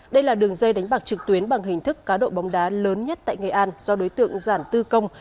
đây là đường dây đánh bạc trực tuyến bằng hình thức cá độ bóng đá lớn nhất tại nghệ an do đối tượng giản tư công